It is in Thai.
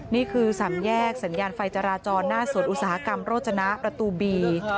นี่คือสามแยกสัญญาณไฟจราจรหน้าสวนอุตสาหกรรมโรจนะประตูบี